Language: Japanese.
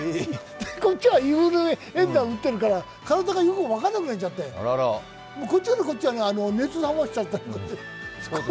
こっちはインフルエンザを打ってるから、体がよく分からなくなっちゃってこっちからこっちは熱出しちゃって。